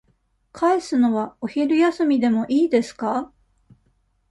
返すのは、お昼休みでもいいですか。